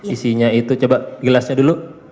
isinya itu coba gelasnya dulu